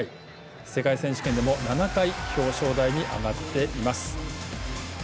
世界選手権でも７回表彰台に上がっています。